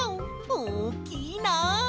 おおきいなあ。